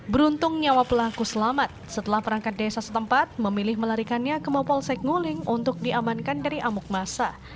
beruntung nyawa pelaku selamat setelah perangkat desa setempat memilih melarikannya ke mapolsek nguling untuk diamankan dari amuk masa